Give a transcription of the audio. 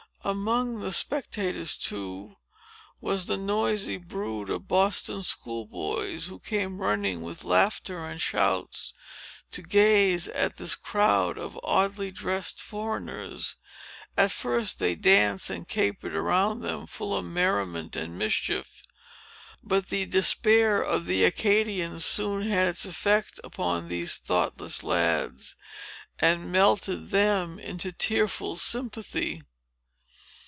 Among the spectators, too, was the noisy brood of Boston school boys, who came running, with laughter and shouts, to gaze at this crowd of oddly dressed foreigners. At first they danced and capered around them, full of merriment and mischief. But the despair of the Acadians soon had its effect upon these thoughtless lads, and melted them into tearful sympathy.